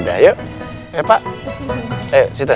kita syt ghal sinya cepet cepet yang